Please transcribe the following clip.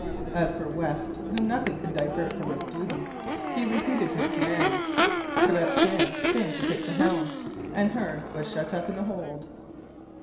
As for West, whom nothing could divert from his duty, he repeated his commands. Gratian came to take the helm, and Hearne was shut up in the hold.